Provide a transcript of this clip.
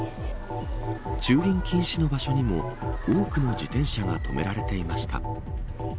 駐輪禁止の場所にも多くの自転車が止められていました。